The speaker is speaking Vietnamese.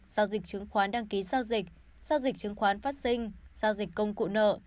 giao dịch chứng khoán đăng ký giao dịch giao dịch chứng khoán phát sinh giao dịch công cụ nợ